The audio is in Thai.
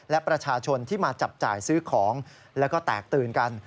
และประชาชนที่มาจับจ่ายซื้อของแล้วก็แตกตื่นกัน